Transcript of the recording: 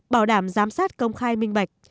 bảo đảm giám sát công khai minh bạch